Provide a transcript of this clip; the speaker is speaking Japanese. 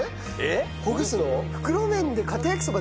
ほぐすの？